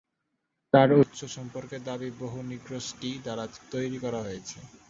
তার উৎস সম্পর্কে দাবি বহু নৃগোষ্ঠী দ্বারা তৈরি করা হয়েছে।